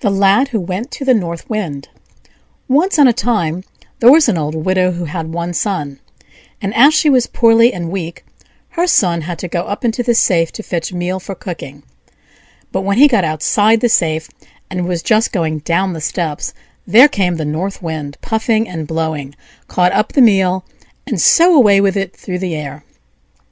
THE LAD WHO WENT TO THE NORTH WIND Once on a time there was an old widow who had one son; and as she was poorly and weak, her son had to go up into the safe to fetch meal for cooking; but when he got outside the safe, and was just going down the steps, there came the North Wind puffing and blowing, caught up the meal, and so away with it through the air.